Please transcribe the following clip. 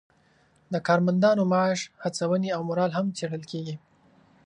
د کارمندانو معاش، هڅونې او مورال هم څیړل کیږي.